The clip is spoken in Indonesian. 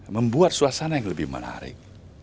membuat suasana yang lebih menarik